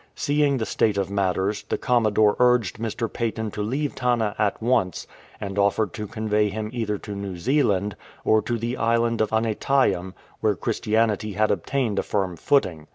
Seeing the state of matters, the Commodore urged Mr. Paton to leave Tanna at once, and offered to convey him either to New Zealand, or to the island of Aneityum, where Christianity had obtained a firm footing.